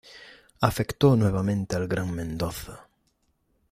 Afectó nuevamente al Gran Mendoza.